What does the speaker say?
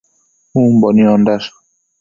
Umbo niondash